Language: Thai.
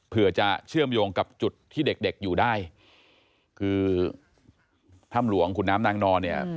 เพื่อจะเชื่อมโยงกับจุดที่เด็กเด็กอยู่ได้คือถ้ำหลวงขุนน้ำนางนอนเนี่ย